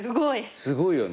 すごい。